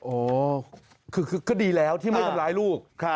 โอ้โหคือก็ดีแล้วที่ไม่ทำร้ายลูก